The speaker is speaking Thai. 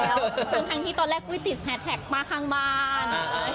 ทั้งที่ตอนแรกปุ้ยติดแฮสแท็กป้าข้างบ้าน